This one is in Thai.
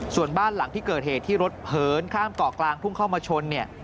ส่วนบ้านหลังที่เกิดเหตุที่รถเหินข้ามเกาะกลางพุ่งเข้ามาชนเนี่ย